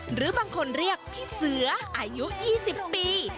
หรือบางคนเรียกพี่เสืออายุ๒๐ปี